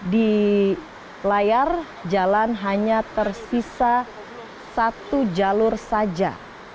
di layar jalan hanya tersisa satu jalur saja